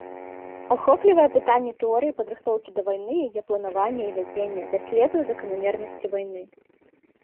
Ахоплівае пытанні тэорыі падрыхтоўкі да вайны, яе планаванне і вядзенне, даследуе заканамернасці вайны.